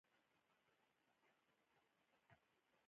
په دویم پړاو کې د مولده پانګې په توګه وه